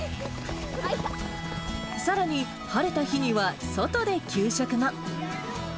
さらに、晴れた日には外で給食も。